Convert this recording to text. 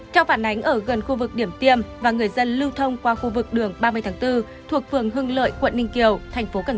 theo phản ánh ở gần khu vực điểm tiêm và người dân lưu thông qua khu vực đường ba mươi tháng bốn thuộc phường hưng lợi quận ninh kiều tp cn